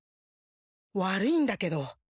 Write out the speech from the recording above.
悪いんだけど。